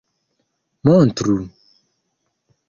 montru